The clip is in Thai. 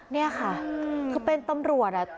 นี่ค่ะคือเป็นตำรวจ